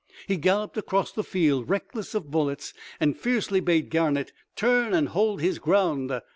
He galloped across the field, reckless of bullets, and fiercely bade Garnett turn and hold his ground.